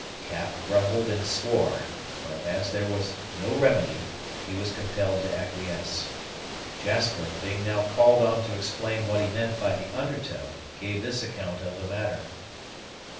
Cap grumbled and swore; but, as there was no remedy, he was compelled to acquiesce. Jasper, being now called on to explain what he meant by the under tow, gave this account of the matter.